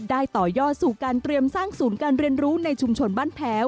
ต่อยอดสู่การเตรียมสร้างศูนย์การเรียนรู้ในชุมชนบ้านแพ้ว